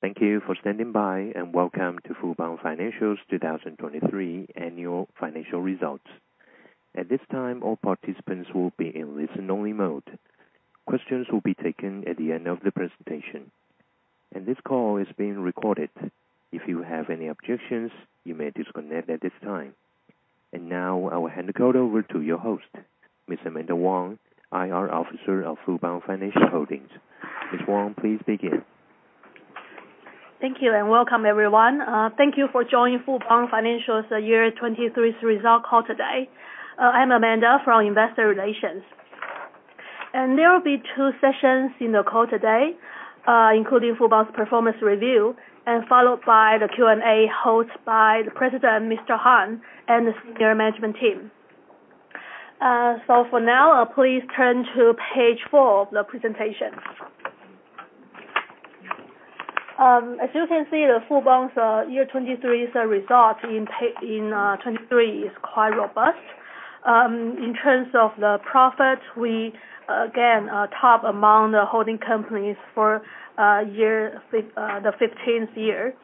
Thank you for standing by, and welcome to Fubon Financial's 2023 Annual Financial Results. At this time, all participants will be in listen-only mode. Questions will be taken at the end of the presentation, and this call is being recorded. If you have any objections, you may disconnect at this time. And now, I will hand the call over to your host, Ms. Amanda Wang, IR Officer of Fubon Financial Holdings. Ms. Wang, please begin. Thank you, and welcome, everyone. Thank you for joining Fubon Financial's year 2023 result call today. I'm Amanda from Investor Relations. There will be two sessions in the call today, including Fubon's performance review followed by the Q&A, hosted by the president, Mr. Harn, and the senior management team. For now, please turn to page 4 of the presentation. As you can see, Fubon's year 2023 result in 2023 is quite robust. In terms of the profit, we again are top among the holding companies for year the fifteenth year,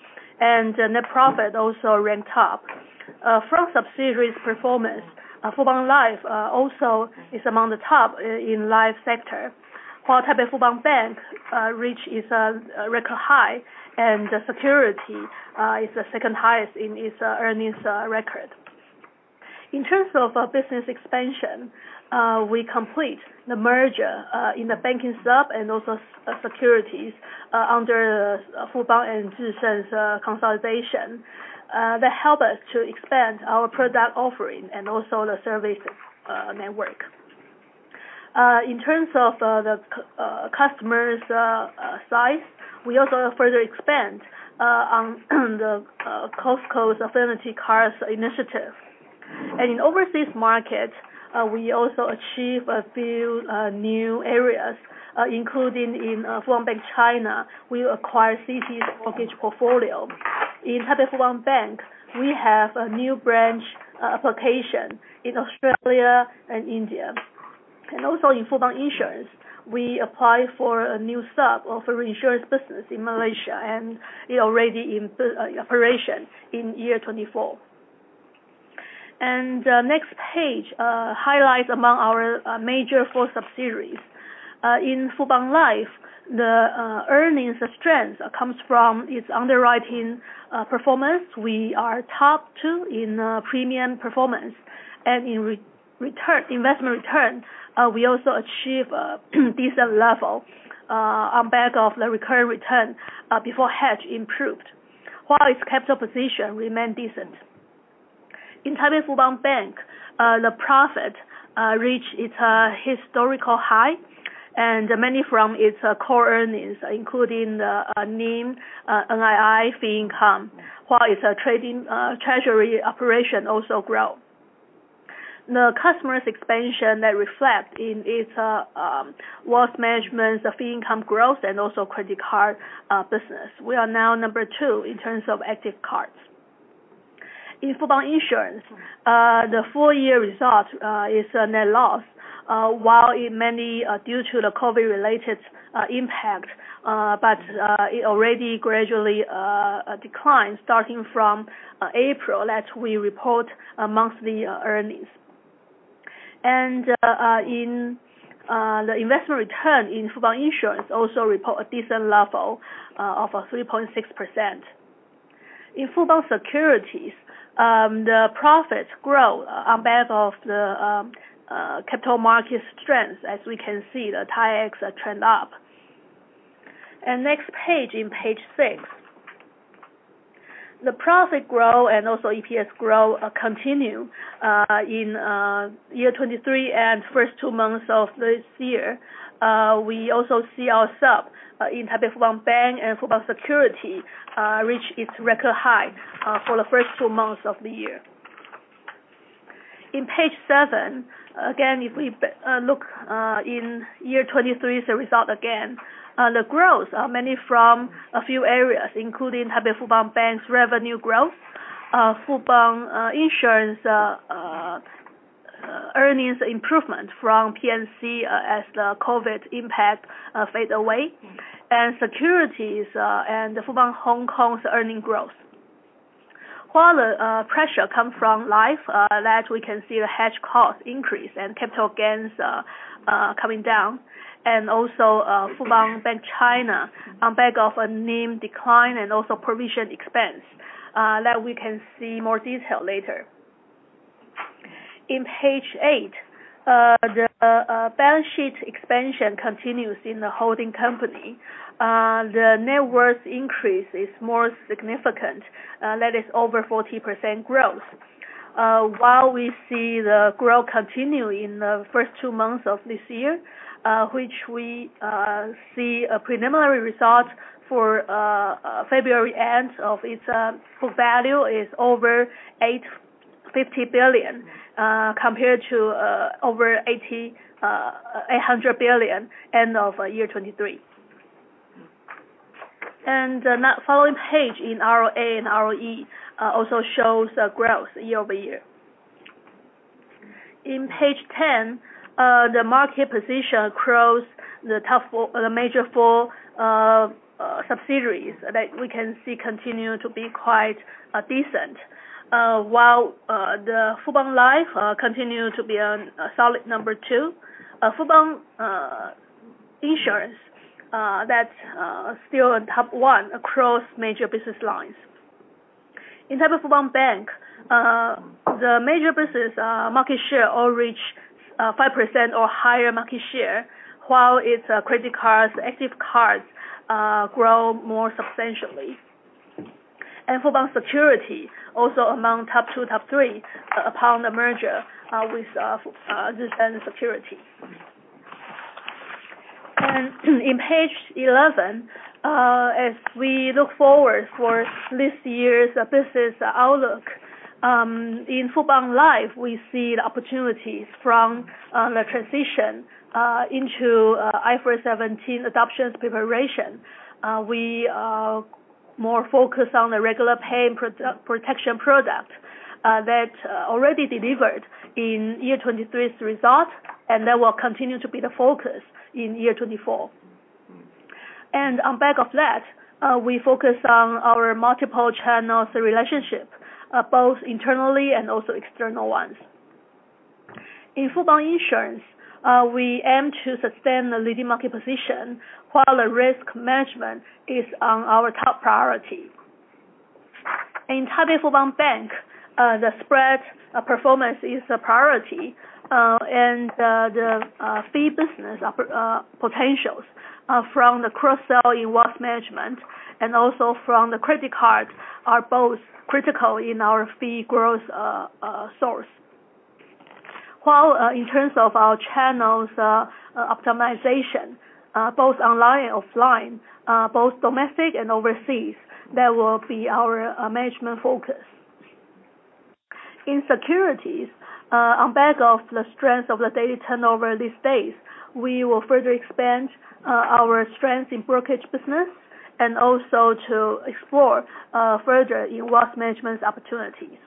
and net profit also ranked top. From subsidiaries performance, Fubon Life also is among the top in life sector, while Taipei Fubon Bank reached its record high, and the securities is the second highest in its earnings record. In terms of business expansion, we complete the merger in the banking sub and also securities under Fubon and Jih Sun's consolidation. That help us to expand our product offering and also the service network. In terms of the customers size, we also further expand on the Costco's affinity cards initiative. In overseas market, we also achieve a few new areas, including in Fubon Bank, China. We acquire Citi's mortgage portfolio. In Taipei Fubon Bank, we have a new branch application in Australia and India. Also in Fubon Insurance, we apply for a new sub of reinsurance business in Malaysia, and it's already in operation in 2024. The next page highlights among our major four subsidiaries. In Fubon Life, the earnings strength comes from its underwriting performance. We are top two in premium performance. In investment return, we also achieve a decent level on back of the recurring return before hedge improved, while its capital position remain decent. In Taipei Fubon Bank, the profit reached its historical high, and mainly from its core earnings, including the NIM, NII fee income, while its trading treasury operation also grow. The customer's expansion that reflect in its wealth management, the fee income growth, and also credit card business. We are now number two in terms of active cards. In Fubon Insurance, the full year result is a net loss, while it mainly due to the COVID-related impact. But it already gradually declined, starting from April, as we report monthly earnings. And in the investment return in Fubon Insurance also report a decent level of 3.6%. In Fubon Securities, the profits grow on back of the capital market strength. As we can see, the TAIEX trend up. And next page, in page 6. The profit grow and also EPS grow continue in year 2023 and first two months of this year. We also see ourselves in Taipei Fubon Bank and Fubon Securities reach its record high for the first two months of the year. In page seven, again, if we look in year 2023, the result again. The growth mainly from a few areas, including Taipei Fubon Bank's revenue growth, Fubon Insurance earnings improvement from P&C as the COVID impact fade away, and securities and Fubon Hong Kong's earnings growth. While the pressure come from Life that we can see the hedge costs increase and capital gains coming down. And also, Fubon Bank (China) on back of a NIM decline and also provision expense that we can see more detail later. In page eight, the balance sheet expansion continues in the holding company. The net worth increase is more significant, that is over 40% growth. While we see the growth continue in the first two months of this year, which we see a preliminary results for, February end of its book value is over 850 billion, compared to over 800 billion end of year 2023. The following page on ROA and ROE also shows the growth year-over-year. On page 10, the market position across the top four, the major four, subsidiaries that we can see continue to be quite decent. While the Fubon Life continue to be on solid number two, Fubon Insurance that's still on top one across major business lines. In terms of Fubon Bank, the major business market share all reach 5% or higher market share, while its credit cards, active cards, grow more substantially. Fubon Securities also among top two, top three, upon the merger with Jih Sun Securities. In page 11, as we look forward for this year's business outlook, in Fubon Life, we see the opportunities from the transition into IFRS 17 adoption preparation. We are more focused on the regular pay and protection product that already delivered in year 2023's results, and that will continue to be the focus in year 2024. On back of that, we focus on our multiple channels relationship both internally and also external ones. In Fubon Insurance, we aim to sustain the leading market position, while the risk management is our top priority. In Taipei Fubon Bank, the spread performance is a priority, and the fee business potentials from the cross-sell in wealth management and also from the credit card are both critical in our fee growth source. While in terms of our channels optimization, both online and offline, both domestic and overseas, that will be our management focus. In securities, on back of the strength of the daily turnover these days, we will further expand our strength in brokerage business and also to explore further in wealth management opportunities.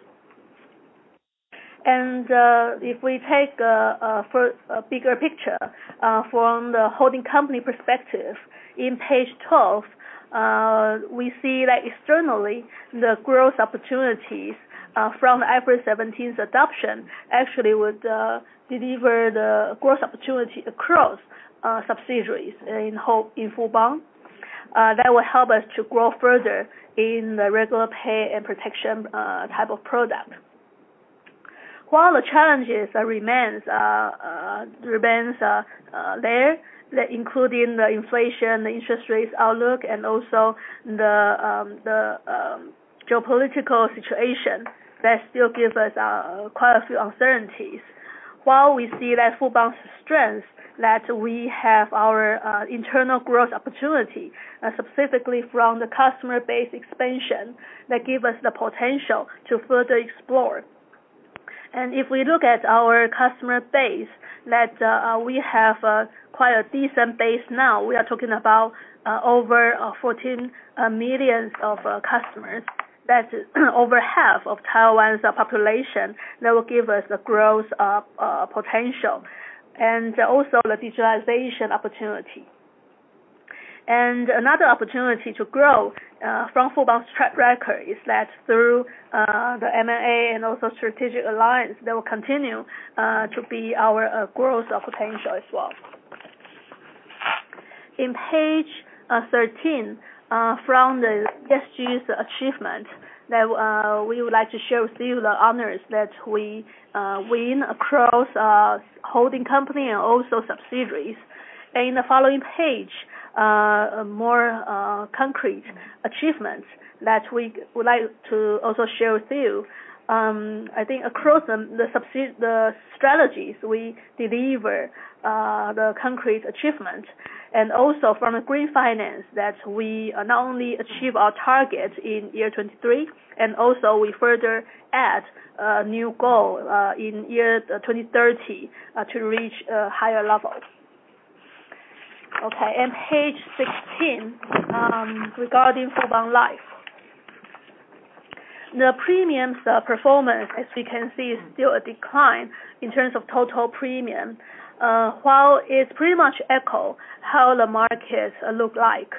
If we take for a bigger picture from the holding company perspective, in page 12, we see that externally, the growth opportunities from IFRS 17's adoption actually would deliver the growth opportunity across subsidiaries in whole- in Fubon. That will help us to grow further in the regular pay and protection type of product. While the challenges remains there, that including the inflation, the interest rates outlook, and also the geopolitical situation, that still gives us quite a few uncertainties. While we see that Fubon's strength, that we have our internal growth opportunity specifically from the customer base expansion, that give us the potential to further explore. And if we look at our customer base, that we have quite a decent base now. We are talking about over 14 million customers. That's over half of Taiwan's population, that will give us the growth potential, and also the digitalization opportunity. And another opportunity to grow from Fubon's track record is that through the M&A and also strategic alliance, that will continue to be our growth potential as well. In page 13 from the last year's achievement, that we would like to share with you the honors that we win across holding company and also subsidiaries. In the following page, more concrete achievements that we would like to also share with you. I think across the strategies we deliver, the concrete achievement, and also from a Green Finance, that we not only achieve our targets in 2023, and also we further add new goal in 2030 to reach higher levels. Okay, and page 16, regarding Fubon Life. The premiums performance, as you can see, is still a decline in terms of total premium, while it's pretty much echo how the markets look like.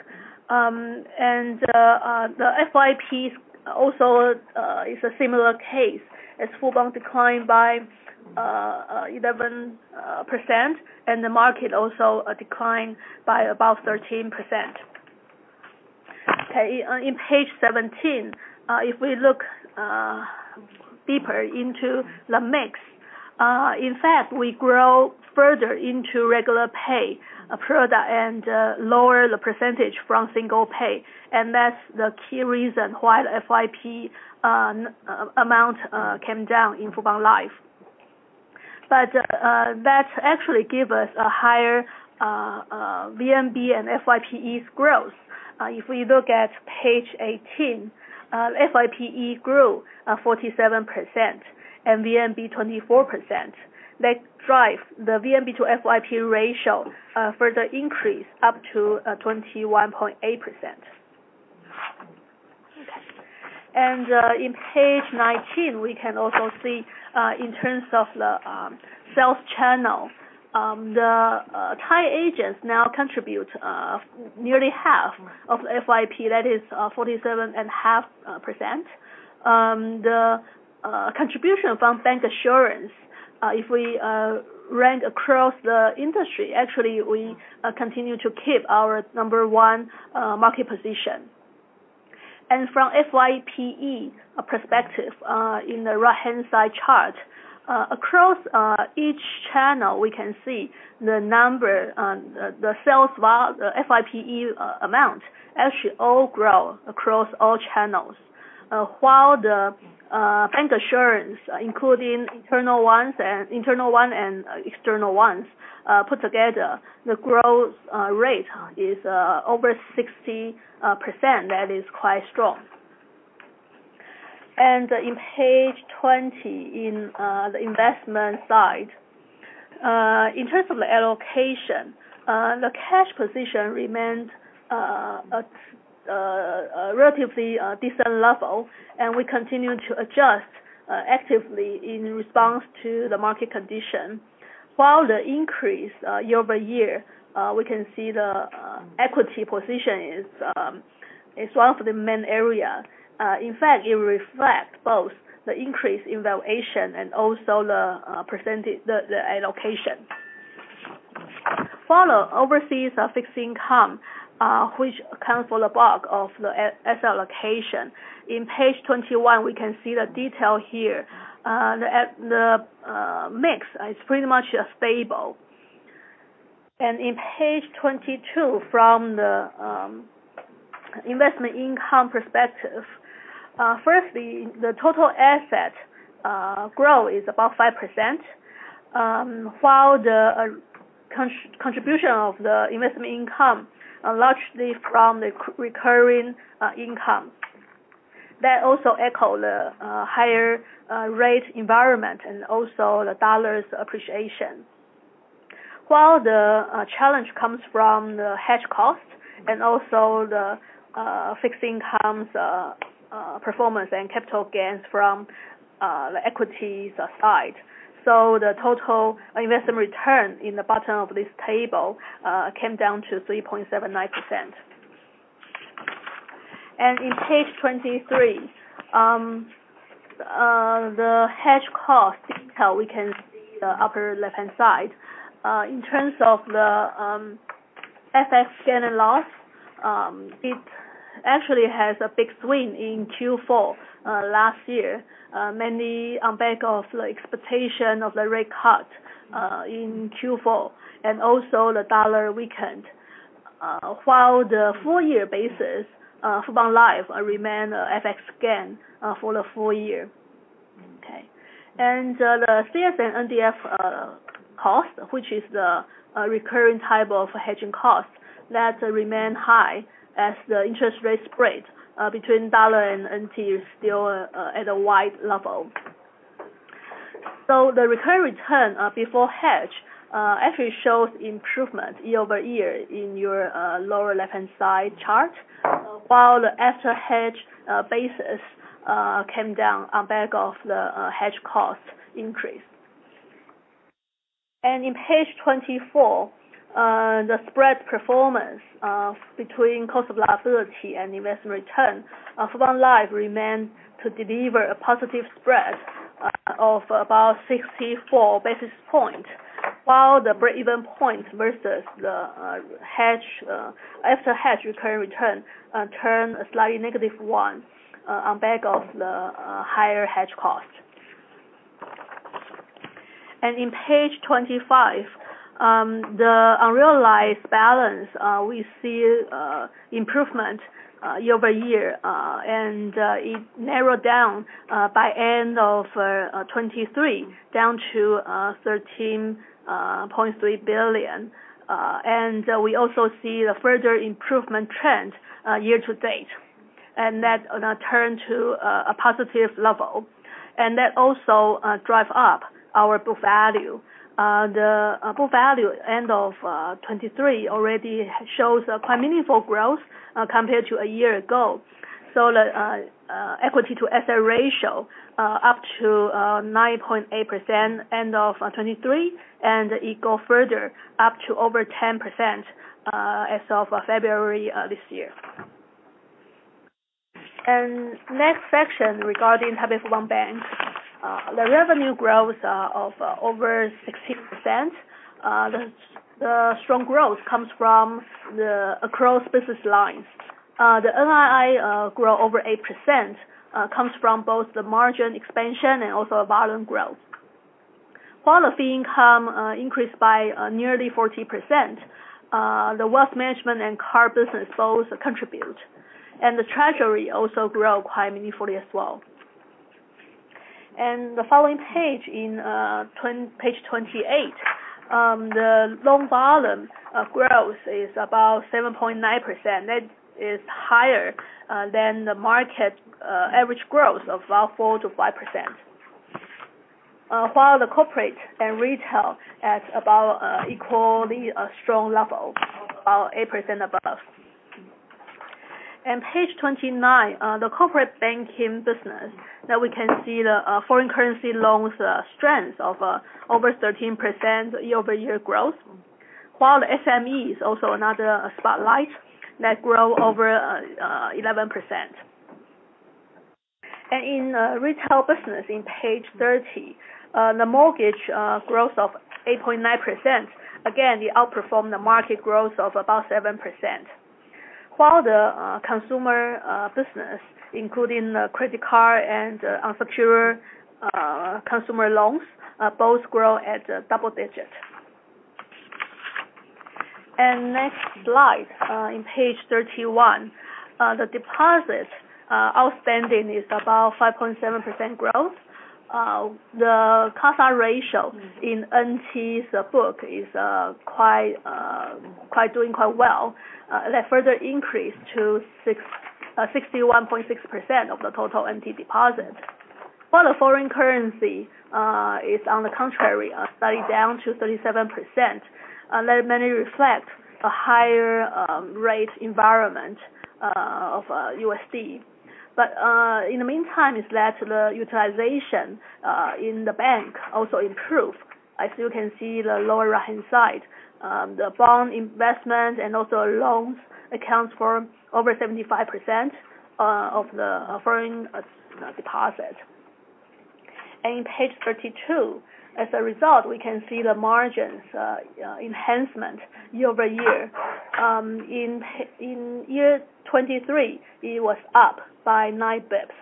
And the FYP also is a similar case, as Fubon declined by 11%, and the market also declined by about 13%. Okay, in page 17, if we look deeper into the mix, in fact, we grow further into regular pay product and lower the percentage from single pay, and that's the key reason why the FYP amount came down in Fubon Life. But that actually give us a higher VNB and FYPE's growth. If we look at page 18, FYPE grew 47% and VNB 24%. That drive the VNB to FYP ratio further increase up to 21.8%... and in page 19, we can also see in terms of the sales channel, the tied agents now contribute nearly half of FYPE, that is 47.5%. The contribution from bancassurance, if we rank across the industry, actually, we continue to keep our number one market position. And from FYPE perspective, in the right-hand side chart, across each channel, we can see the number, the FYPE amount actually all grow across all channels. While the bancassurance, including internal ones and external ones, put together, the growth rate is over 60%. That is quite strong. And on page 20, on the investment side, in terms of the allocation, the cash position remains at a relatively decent level, and we continue to adjust actively in response to the market condition. While the increase year-over-year, we can see the equity position is one of the main areas. In fact, it reflects both the increase in valuation and also the percentage, the allocation. For the overseas fixed income, which account for the bulk of the asset allocation, in page 21, we can see the detail here. The mix is pretty much stable. And in page 22, from the investment income perspective, firstly, the total asset growth is about 5%, while the contribution of the investment income are largely from the recurring income. That also echo the higher rate environment and also the dollar's appreciation. While the challenge comes from the hedge cost and also the fixed income's performance and capital gains from the equities side. So the total investment return in the bottom of this table came down to 3.79%. And in page 23, the hedge cost detail, we can see the upper left-hand side. In terms of the FX gain and loss, it actually has a big swing in Q4 last year, mainly on back of the expectation of the rate cut in Q4, and also the dollar weakened. While the full year basis, Fubon Life remain a FX gain for the full year. Okay. The CS and NDF cost, which is the recurring type of hedging cost, that remain high as the interest rate spread between dollar and NT is still at a wide level. So the recurring return before hedge actually shows improvement year-over-year in your lower left-hand side chart, while the after hedge basis came down on back of the hedge cost increase. And in page 24, the spread performance between cost of liability and investment return, Fubon Life remain to deliver a positive spread of about 64 basis point, while the break-even point versus the hedge after hedge recurring return turn a slightly negative one on back of the higher hedge cost. In page 25, the unrealized balance, we see improvement year-over-year, and it narrowed down by end of 2023, down to 13.3 billion. We also see the further improvement trend year-to-date, and that turn to a positive level. That also drive up our book value. The book value end of 2023 already shows a quite meaningful growth compared to a year ago. The equity to asset ratio up to 9.8% end of 2023, and it go further up to over 10% as of February this year. Next section, regarding Taipei Fubon Bank, the revenue growth of over 16%, the strong growth comes from across business lines. The NII grow over 8%, comes from both the margin expansion and also volume growth. While the fee income increased by nearly 40%, the wealth management and card business both contribute, and the treasury also grew quite meaningfully as well. The following page, in page 28, the loan volume growth is about 7.9%. That is higher than the market average growth of about 4%-5%... while the corporate and retail at about equally a strong level, about 8% above. Page 29, the corporate banking business, now we can see the foreign currency loans strength of over 13% year-over-year growth, while the SMEs also another spotlight that grow over 11%. In retail business, in page 30, the mortgage growth of 8.9%, again, it outperformed the market growth of about 7%. While the consumer business, including the credit card and unsecured consumer loans, both grow at double-digit. Next slide, in page 31, the deposits outstanding is about 5.7% growth. The CASA ratio in NT$ book is quite— doing quite well. That further increased to 61.6% of the total NT deposits, while the foreign currency is on the contrary slightly down to 37%. That mainly reflect a higher rate environment of USD. But in the meantime, is that the utilization in the bank also improved. As you can see, the lower right-hand side, the bond investment and also loans accounts for over 75% of the foreign deposit. And in page 32, as a result, we can see the margins enhancement year-over-year. In 2023, it was up by nine basis points,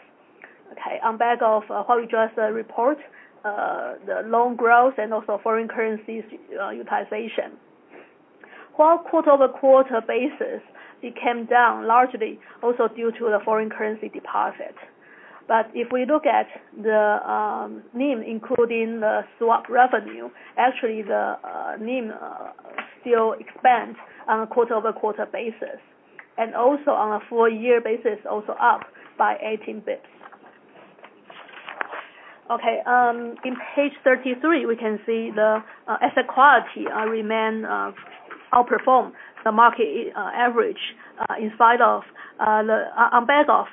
okay? On back of what we just report, the loan growth and also foreign currencies utilization. While quarter-over-quarter basis, it came down largely also due to the foreign currency deposit. But if we look at the NIM, including the swap revenue, actually the NIM still expands on a quarter-over-quarter basis, and also on a full year basis, also up by 18 basis points. Okay, in page 33, we can see the asset quality remain outperform the market average on back of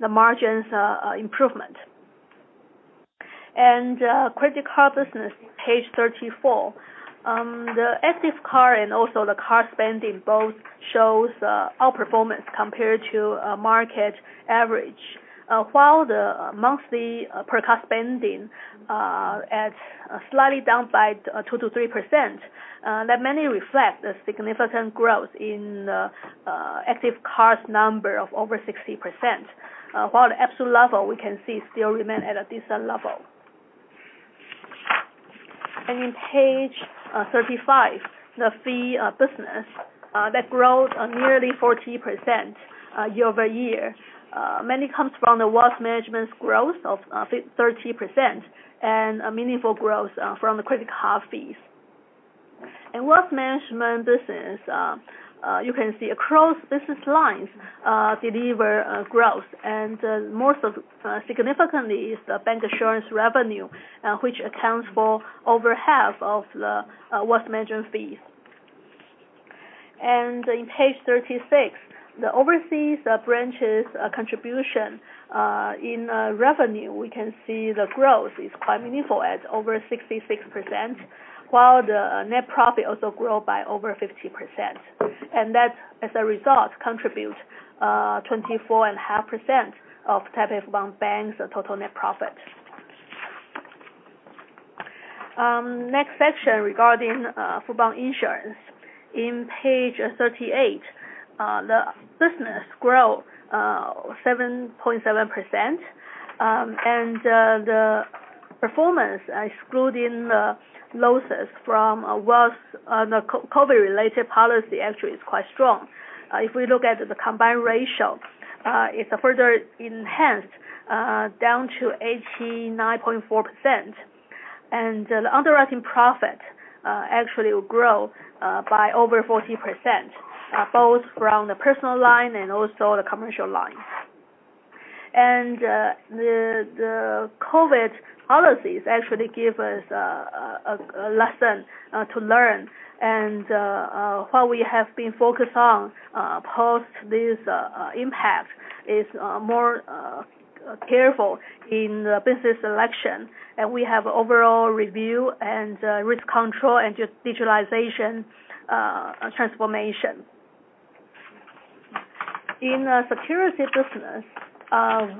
the margins improvement. Credit card business, page 34. The active card and also the card spending both shows outperformance compared to market average. While the monthly per card spending is slightly down by 2%-3%, that mainly reflect the significant growth active cards number of over 60%. While the absolute level, we can see still remain at a decent level. In page 35, the fee business that growth on nearly 40% year-over-year mainly comes from the wealth management growth of 30%, and a meaningful growth from the credit card fees. In wealth management business, you can see across business lines deliver growth, and most significantly is the bancassurance revenue, which accounts for over half of the wealth management fees. In page 36, the overseas branches contribution in revenue we can see the growth is quite meaningful at over 66%, while the net profit also grow by over 50%. And that, as a result, contribute 24.5% of Taipei Fubon Bank's total net profit. Next section regarding Fubon Insurance. In page 38, the business grew 7.7%. And the performance, excluding the losses from COVID-related policy, actually is quite strong. If we look at the combined ratio, it's further enhanced down to 89.4%. And the underwriting profit actually will grow by over 40%, both from the personal line and also the commercial line. And the COVID policies actually give us a lesson to learn. And what we have been focused on post this impact is more careful in the business selection, and we have overall review and risk control and just digitalization transformation. In the securities business,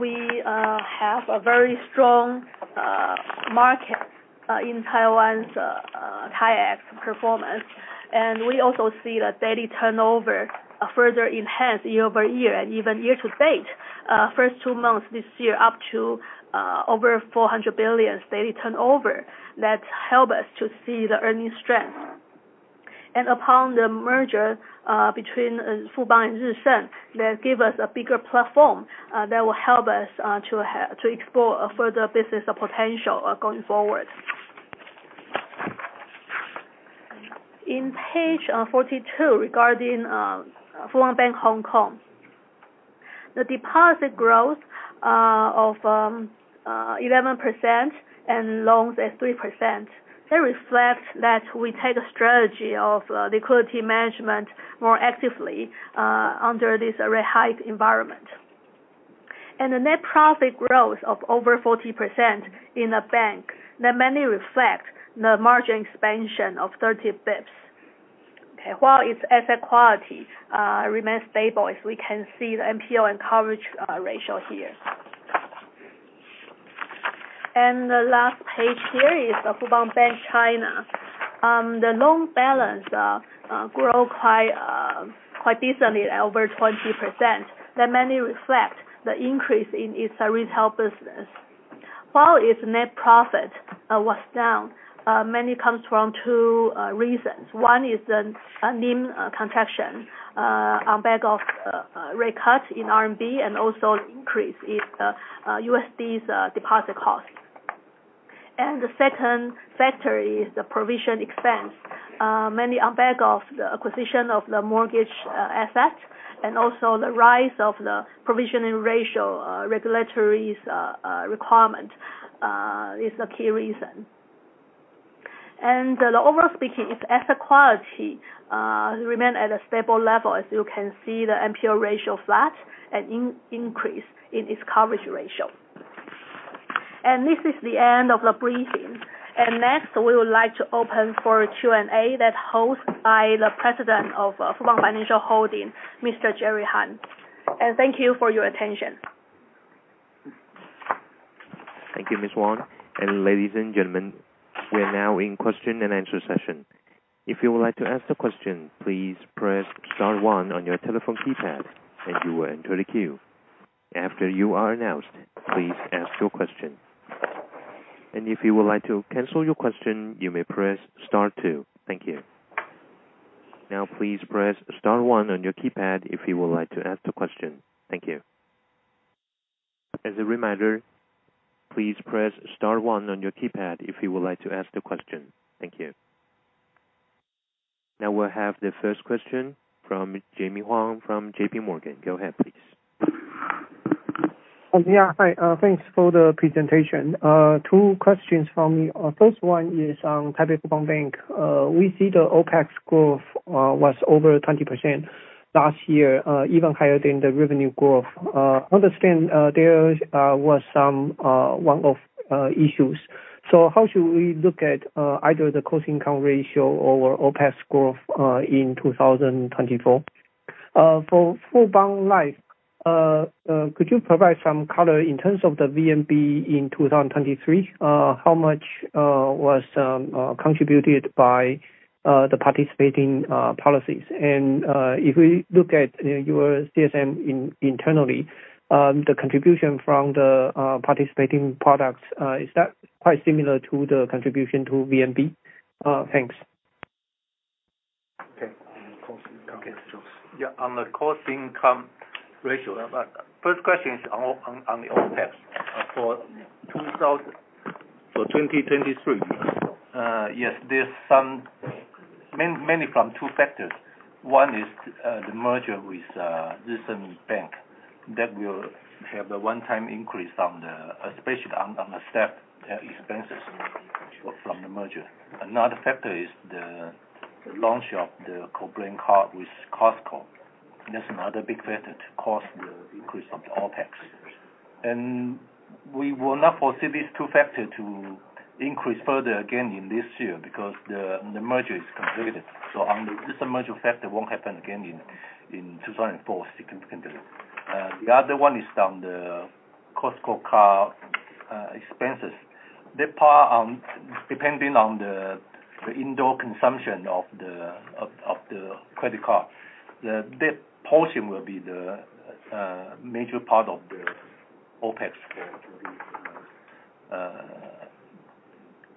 we have a very strong market in Taiwan's Taiex performance. We also see the daily turnover further enhance year-over-year and even year-to-date first two months this year, up to over 400 billion daily turnover. That help us to see the earning strength. And upon the merger between Fubon and Jih Sun, that give us a bigger platform that will help us to explore a further business potential going forward. In page 42, regarding Fubon Bank Hong Kong. The deposit growth of 11% and loans at 3%, that reflects that we take a strategy of liquidity management more actively under this rate hike environment. And the net profit growth of over 40% in the bank, that mainly reflect the margin expansion of 30 basis points. Okay, while its asset quality remains stable, as we can see the NPL and coverage ratio here. And the last page here is the Fubon Bank China. The loan balance grow quite quite decently at over 20%. That mainly reflect the increase in its retail business. While its net profit was down mainly comes from two reasons. One is the NIM contraction on back of rate cut in RMB and also increase its USD's deposit cost. And the second factor is the provision expense mainly on back of the acquisition of the mortgage assets and also the rise of the provisioning ratio regulatory requirement is the key reason. And overall speaking, its asset quality remain at a stable level. As you can see, the NPL ratio flat and an increase in its coverage ratio. This is the end of the briefing. Next, we would like to open for a Q&A that's hosted by the President of Fubon Financial Holding, Mr. Jerry Harn. Thank you for your attention. Thank you, Ms. Wang. Ladies and gentlemen, we are now in question and answer session. If you would like to ask the question, please press *1 on your telephone keypad, and you will enter the queue. After you are announced, please ask your question. And if you would like to cancel your question, you may press *2. Thank you. Now, please press *1 on your keypad if you would like to ask the question. Thank you. As a reminder, please press *1 on your keypad if you would like to ask the question. Thank you. Now, we'll have the first question from Jemmy Huang from J.P. Morgan. Go ahead, please. Yeah. Hi, thanks for the presentation. Two questions from me. First one is on Taipei Fubon Bank. We see the OpEx growth was over 20% last year, even higher than the revenue growth. Understand, there was some one-off issues. So how should we look at either the cost income ratio or OpEx growth in 2024? For Fubon Life, could you provide some color in terms of the VNB in 2023? How much was contributed by the participating policies? And, if we look at your CSM internally, the contribution from the participating products, is that quite similar to the contribution to VNB? Thanks. Okay. Cost income ratios. Yeah, on the cost income ratio, first question is on the OpEx for 2000- For 2023. Yes, there's some, many, many from two factors. One is the merger with Jih Sun Bank, that will have a one-time increase, especially on the staff expenses from the merger. Another factor is the launch of the co-brand card with Costco. That's another big factor to cause the increase of the OpEx. And we will not foresee these two factors to increase further again in this year because the merger is completed. So the system merger factor won't happen again in 2004 significantly. The other one is on the Costco card expenses. That part, depending on the in-store consumption of the credit card, that portion will be the major part of the OpEx for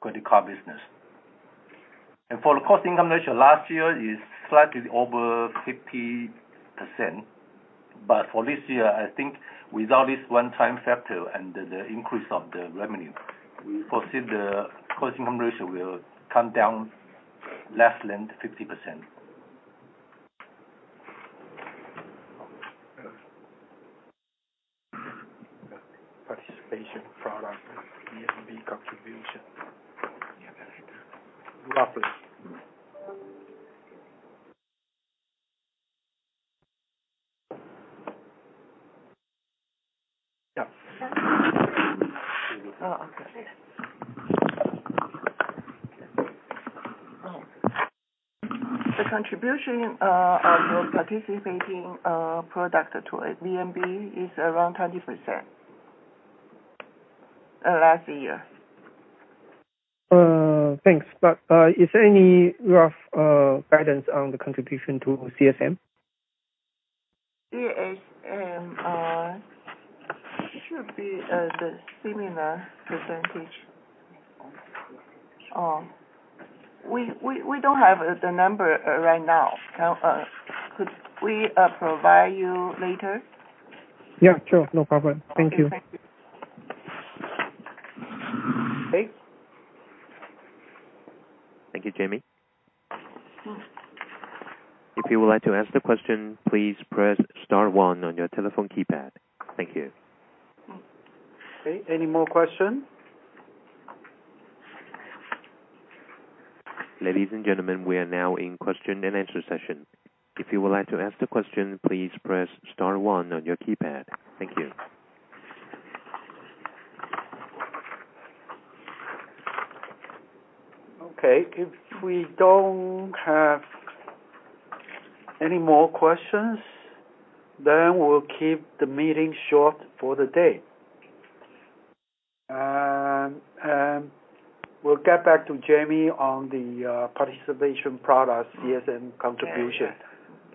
the credit card business. For the cost-income ratio, last year is slightly over 50%. But for this year, I think without this one-time factor and the increase of the revenue, we foresee the cost-income ratio will come down less than 50%. Participation product, VNB contribution. Roughly. The contribution of the participating product to VNB is around 20% last year. Thanks. But, is there any rough guidance on the contribution to CSM? CSM, it should be the similar percentage. We don't have the number right now. Could we provide you later? Yeah, sure. No problem. Thank you. Thank you. Okay. Thank you, Jamie. If you would like to ask the question, please press *1 on your telephone keypad. Thank you. Okay. Any more question? Ladies and gentlemen, we are now in question and answer session. If you would like to ask the question, please press *1 on your keypad. Thank you. Okay. If we don't have any more questions, then we'll keep the meeting short for the day. We'll get back to Jamie on the participating product CSM contribution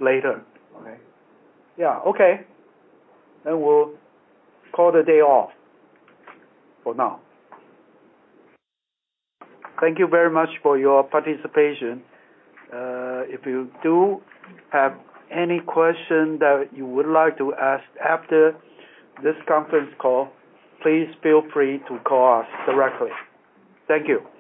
later. Okay. Yeah. Okay. Then we'll call the day off for now. Thank you very much for your participation. If you do have any question that you would like to ask after this conference call, please feel free to call us directly. Thank you.